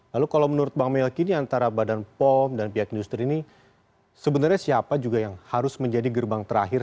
lalu kalau menurut bang melki ini antara badan pom dan pihak industri ini sebenarnya siapa juga yang harus menjadi gerbang terakhir